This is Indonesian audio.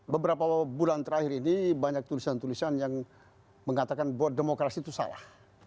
beberapa bulan terakhir ini banyak tulisan tulisan yang mengatakan bahwa demokrasi itu salah